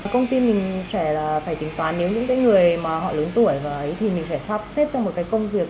công ty mình sẽ phải tính toán nếu những người mà họ lớn tuổi và ấy thì mình sẽ sắp xếp trong một công việc